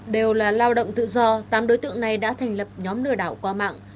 đều là lao động tự do tám đối tượng này đã thành lập nhóm lừa đảo qua mạng